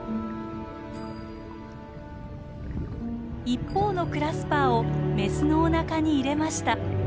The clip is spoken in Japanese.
一方のクラスパーをメスのおなかに入れました。